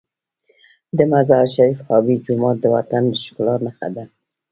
د مزار شریف آبي جومات د وطن د ښکلا نښه ده.